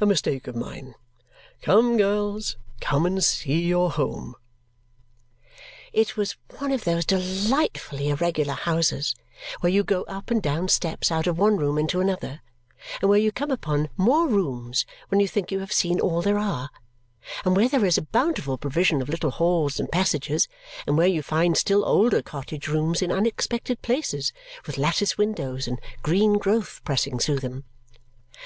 A mistake of mine. Come, girls, come and see your home!" It was one of those delightfully irregular houses where you go up and down steps out of one room into another, and where you come upon more rooms when you think you have seen all there are, and where there is a bountiful provision of little halls and passages, and where you find still older cottage rooms in unexpected places with lattice windows and green growth pressing through them.